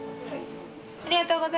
ありがとうございます。